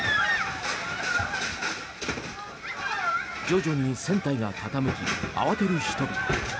徐々に船体が傾き慌てる人々。